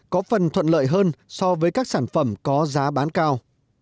có phần thuận lợi hơn so với các sản phẩm có giá bán cao